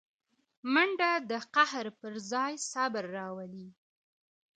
منډه د قهر پر ځای صبر راولي